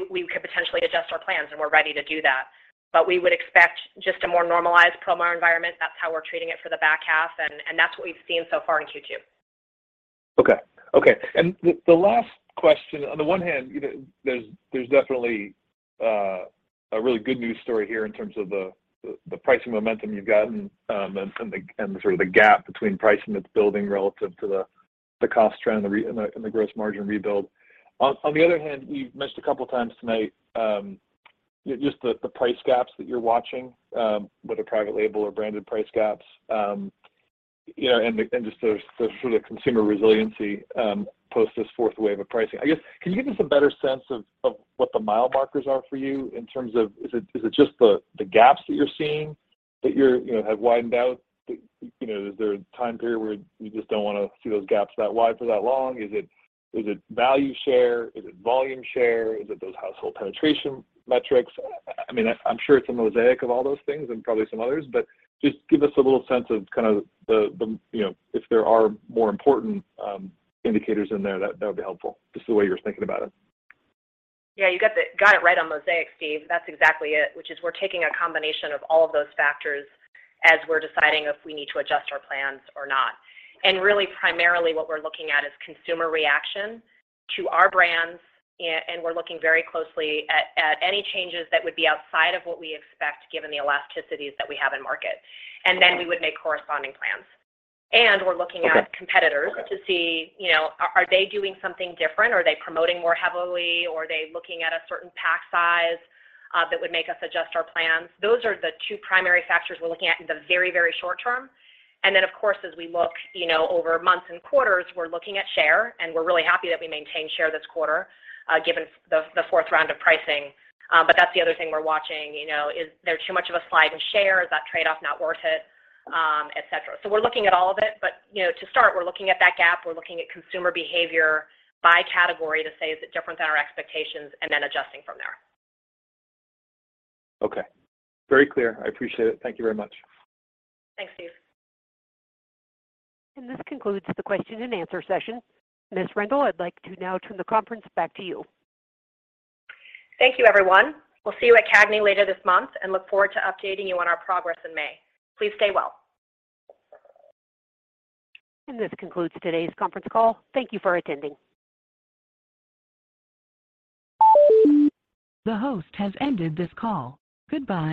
we could potentially adjust our plans, and we're ready to do that. We would expect just a more normalized promo environment. That's how we're treating it for the back half and that's what we've seen so far in Q2. Okay. Okay. The last question, on the one hand there's definitely a really good news story here in terms of the pricing momentum you've gotten, and the sort of the gap between pricing that's building relative to the cost trend and the gross margin rebuild. On the other hand, you've mentioned a couple of times tonight, just the price gaps that you're watching, whether private label or branded price gaps. And just the sort of consumer resiliency, post this fourth wave of pricing. I guess, can you give us a better sense of what the mile markers are for you in terms of is it just the gaps that you're seeing that you're have widened out?, is there a time period where you just don't wanna see those gaps that wide for that long? Is it value share? Is it volume share? Is it those household penetration metrics? I mean, I'm sure it's a mosaic of all those things and probably some others, but just give us a little sense of kind of the if there are more important indicators in there, that would be helpful. Just the way you're thinking about it. Yeah, you got it right on mosaic, Steve. That's exactly it, which is we're taking a combination of all of those factors as we're deciding if we need to adjust our plans or not. Really primarily what we're looking at is consumer reaction to our brands and we're looking very closely at any changes that would be outside of what we expect given the elasticities that we have in market. Then we would make corresponding plans. We're looking at competitors to see are they doing something different? Are they promoting more heavily? Or are they looking at a certain pack size that would make us adjust our plans? Those are the two primary factors we're looking at in the very short term. Of course, as we look over months and quarters, we're looking at share, and we're really happy that we maintained share this quarter, given the fourth round of pricing. That's the other thing we're watching. Is there too much of a slide in share? Is that trade-off not worth it? Et cetera. We're looking at all of it. To start, we're looking at that gap. We're looking at consumer behavior by category to say, is it different than our expectations? Adjusting from there. Okay. Very clear. I appreciate it. Thank you very much. Thanks, Steve. This concludes the question and answer session. Ms. Rendle, I'd like to now turn the conference back to you. Thank you, everyone. We'll see you at CAGNY later this month and look forward to updating you on our progress in May. Please stay well. This concludes today's conference call. Thank you for attending. The host has ended this call. Goodbye.